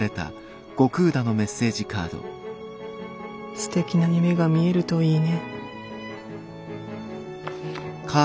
すてきな夢が見えるといいね。